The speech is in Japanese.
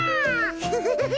フフフヒ。